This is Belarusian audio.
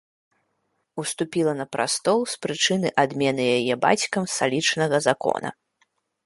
Уступіла на прастол з прычыны адмены яе бацькам салічнага закона.